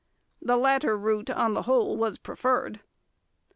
The latter route, on the whole, was preferred.